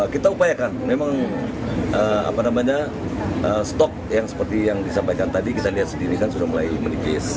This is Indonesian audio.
kita upayakan memang stok yang seperti yang disampaikan tadi kita lihat sendiri kan sudah mulai menipis